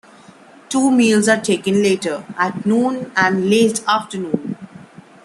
Two meals are taken later; at noon and late afternoon.